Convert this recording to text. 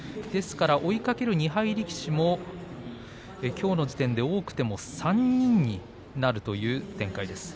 追いかける２敗力士もきょうの時点では多くても３人になるという展開です。